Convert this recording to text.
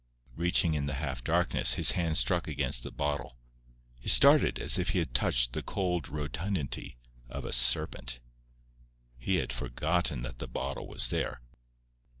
Reaching in the half darkness, his hand struck against the bottle. He started as if he had touched the cold rotundity of a serpent. He had forgotten that the bottle was there.